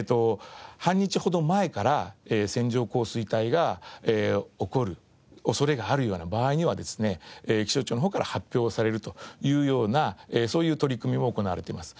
半日ほど前から線状降水帯が起こる恐れがあるような場合にはですね気象庁の方から発表されるというようなそういう取り組みも行われています。